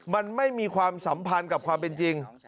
มันไม่มีความสัมพันธ์กับความเป็นจริง